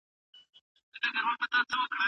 ایا حضوري ټولګي د آنلاین زده کړو څخه ډیر هڅوونکي دي؟